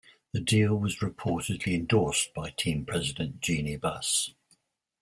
The deal was reportedly endorsed by team president Jeanie Buss.